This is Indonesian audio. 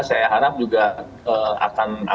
saya harap juga akan